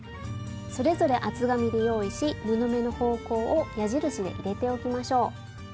それぞれ厚紙で用意し布目の方向を矢印で入れておきましょう。